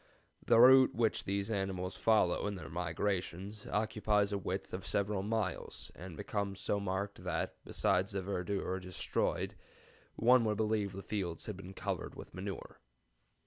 The route which these animals follow in their migrations occupies a width of several miles, and becomes so marked that, besides the verdure destroyed, one would believe that the fields had been covered with manure.